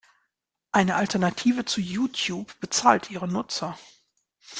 Eine Alternative zu YouTube bezahlt Ihre Nutzer.